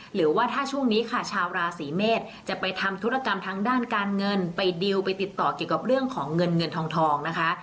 หรือว่าถ้าช่วงนี้ค่ะชาวราศีเมษจะไปทำธุรกรรมทางด้านการเงินไปดิวไปติดต่อเกี่ยวกับเรื่องของเงินเงินทองนะคะ